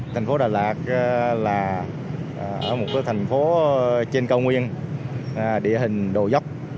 thành phố đà lạt là một thành phố trên cầu nguyên địa hình đồ dốc